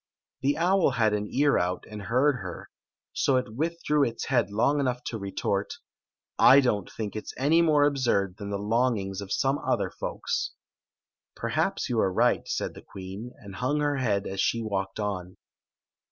The owl had an ear out, and heard her. So it withdrew its head long enough to retort: " I don't think it 's any more absurd than the long ings of some other folks." " Perhaps you are right," said the queen, and hung her head as she walked on.